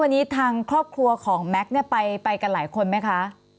วันนี้ทางครอบครัวของแม็กซ์เนี่ยไปกันหลายคนไหมคะ